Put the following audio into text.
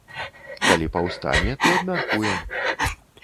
Калі паўстане, то абмяркуем.